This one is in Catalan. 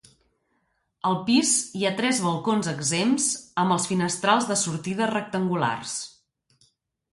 Al pis hi ha tres balcons exempts amb els finestrals de sortida rectangulars.